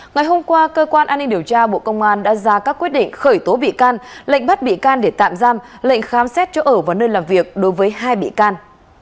ngày hôm qua cơ quan an ninh điều tra bộ công an đã ra các quyết định khởi tố bị can lệnh bắt bị can để tạm giam lệnh khám xét chỗ ở và nơi làm việc đối với hai bị can